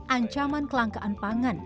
ancaman kelangkaan pangan